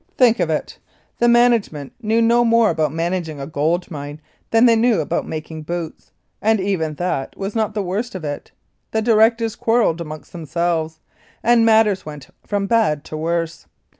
Think of it ! The management knew no more about managing a gold mine than they knew about .making boots, and even that was not the worst of it. The directors quarrelled amongst themselves, and matters went from bad to worse.